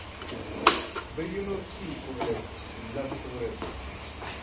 Bɛ yino pii kuɣili n-labi Sibiri.